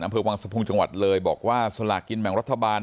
อำเภอวังสะพุงจังหวัดเลยบอกว่าสลากกินแบ่งรัฐบาล